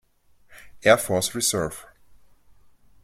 Air Force Reserve.